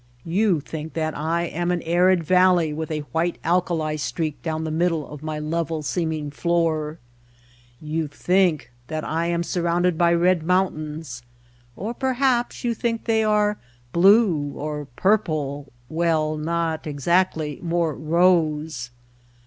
You think that I am an arid valley with a white alkali streak down the middle of my level seeming floor. You think that I am surrounded by red moun tains, or perhaps you think they are blue, or purple — well, not exactly — more rose.